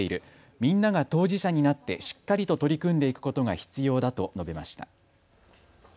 みんなが当事者になってしっかりと取り組んでいくことが必要だと述べました。